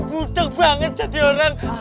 budeg banget jadi orang